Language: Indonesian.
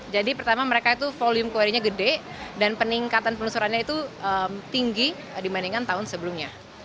jadi pertama mereka itu volume querienya gede dan peningkatan penelusurannya itu tinggi dibandingkan tahun sebelumnya